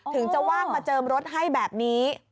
ถึงจะว่างมาเจิมรถให้แบบนี้